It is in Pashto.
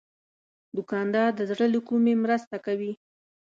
دوکاندار د زړه له کومي مرسته کوي.